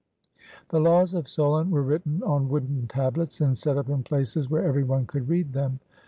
The laws of Solon were written on wooden tablets and set up in places where every one could read them.